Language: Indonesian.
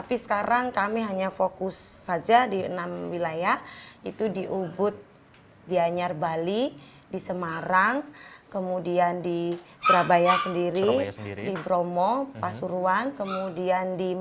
pertanyaan terakhir bagaimana penyelesaian yayasan ini